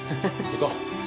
行こう。